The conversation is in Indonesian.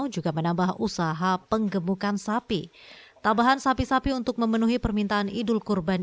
juga menambah usaha penggemukan sapi tambahan sapi sapi untuk memenuhi permintaan idul kurban